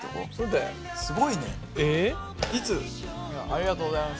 ありがとうございます。